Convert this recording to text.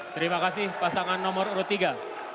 terima kasih pasangan nomor urut tiga